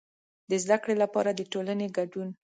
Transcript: د زده کړې لپاره د ټولنې کډون.